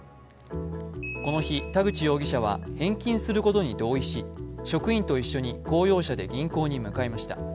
この日、田口容疑者は返金することに同意し職員と一緒に公用車で銀行に向かいました。